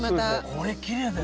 これきれいだよ。